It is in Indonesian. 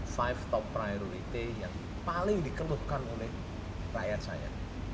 five top priority yang paling dikeluhkan oleh rakyat saya